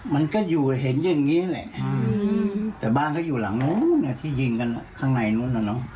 มันก็อยู่เห็นอย่างนี้แหละแต่บ้านเขาอยู่หลังนู้นที่ยิงกันข้างในนู้นน่ะเนอะ